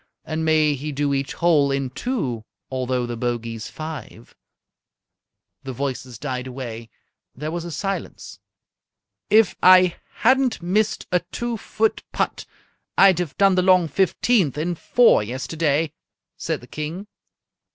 And may he do each hole in two, Although the bogey's five!"_ The voices died away. There was a silence. "If I hadn't missed a two foot putt, I'd have done the long fifteenth in four yesterday," said the King.